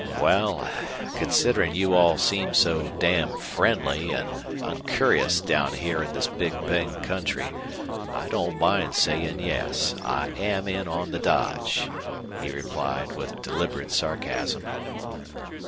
"Wal, considerin' you all seem so damn friendly an' oncurious down here in this Big Bend country, I don't mind sayin' yes I am in on the dodge," he replied, with deliberate sarcasm.